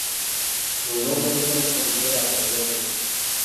Buli lwokozesa omukozi beera mwegendereza.